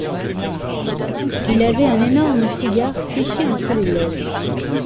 Il avait un énorme cigare fiché entre les lèvres.